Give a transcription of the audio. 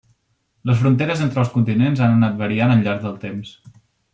Les fronteres entre els continents han anat variant al llarg del temps.